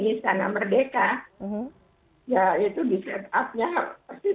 ya itu di set upnya persis kayak nanti kalau diselenggarakan di puskutmas